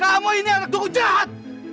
kamu ini anak duku jahat